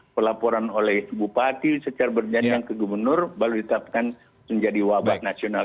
pelaporan oleh bupati secara berjanjang ke gubernur baru ditetapkan menjadi wabah nasional